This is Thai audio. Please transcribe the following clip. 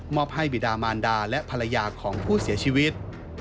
อบให้บิดามานดาและภรรยาของผู้เสียชีวิต